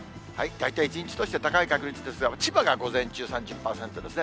大体一日として高い確率ですが、千葉が午前中、３０％ですね。